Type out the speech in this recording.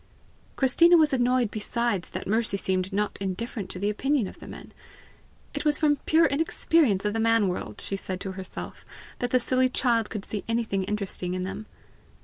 Christina was annoyed besides that Mercy seemed not indifferent to the opinion of the men. It was from pure inexperience of the man world, she said to herself, that the silly child could see anything interesting in them!